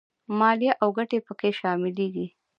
مالیه او ګټې په کې شاملېږي